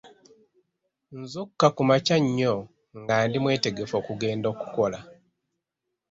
Nzuukuka kumakya nnyo nga ndi mwetegefu okugenda okukola.